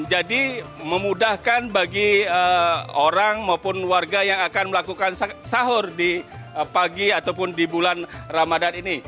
jadi memudahkan bagi orang maupun warga yang akan melakukan sahur di pagi ataupun di bulan ramadan ini